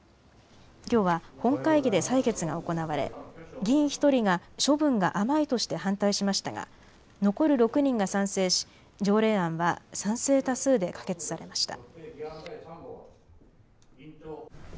きょうは本会議で採決が行われ議員１人が処分が甘いとして反対しましたが残る６人が賛成し条例案は賛成多数で可決されました。